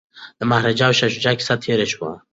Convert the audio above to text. د مهاراجا او شاه شجاع کیسه تیره شوه.